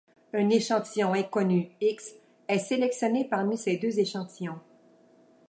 Un échantillon inconnu X est sélectionné parmi ces deux échantillons.